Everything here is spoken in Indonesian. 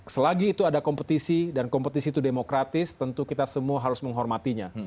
selagi itu ada kompetisi dan kompetisi itu demokratis tentu kita semua harus menghormatinya